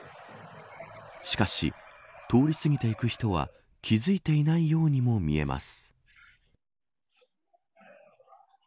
しかし、通り過ぎていく人は気付いていないようにも見えます。